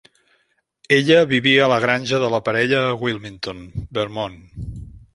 Ella vivia a la granja de la parella a Wilmington, Vermont.